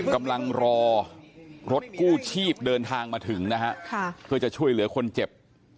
กำลังรอรถกู้ชีพเดินทางมาถึงนะฮะเพื่อจะช่วยเหลือคนเจ็บ